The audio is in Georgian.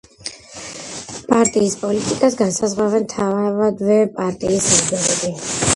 პარტიის პოლიტიკას განსაზღვრავენ თავადვე პარტიის ლიდერები.